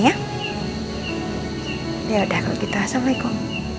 ya udah aku gitu assalamualaikum